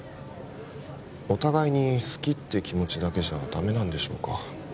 お互いに好きって気持ちだけじゃダメなんでしょうか？